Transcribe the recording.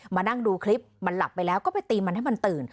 มานั่งดูคลิปมันหลับไปแล้วก็ไปตีมันให้มันตื่น